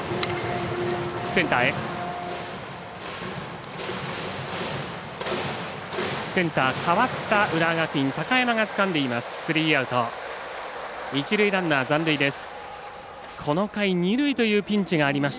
センター、代わった高山がつかんでいます。